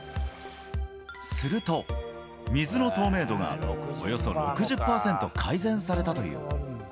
すると、水の透明度がおよそ６０％改善されたという。